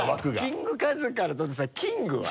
「キングカズ」から取ってさ「キング」は？